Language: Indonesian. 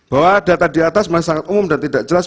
bahwa data diatas masih sangat umum dan tidak jelas